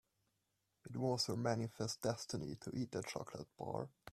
It was her manifest destiny to eat that chocolate bar.